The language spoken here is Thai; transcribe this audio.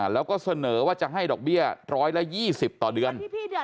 แล้วก็เสนอว่าจะให้ดอกเบี้ย๑๒๐ต่อเดือน